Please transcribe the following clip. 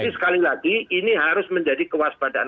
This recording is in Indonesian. tapi sekali lagi ini harus menjadi kewaspadaan